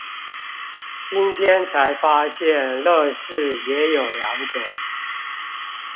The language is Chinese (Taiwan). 今天才發現樂事也有兩種